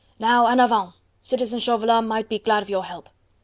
Now en avant; citizen Chauvelin might be glad of your help.